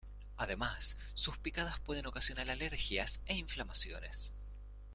Además, sus picadas pueden ocasionar alergias, e inflamaciones.